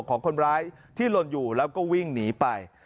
ของคนร้ายที่หล่นอยู่แล้วก็วิ่งหนีไป